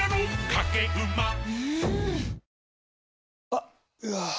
あっ、うわー。